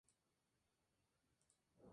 Aún sigue en publicación.